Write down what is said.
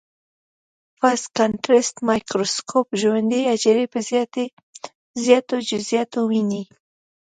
فاز کانټرسټ مایکروسکوپ ژوندۍ حجرې په زیاتو جزئیاتو ويني.